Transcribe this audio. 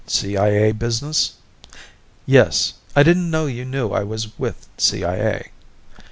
"CIA business?" "Yes. I didn't know you knew I was with CIA."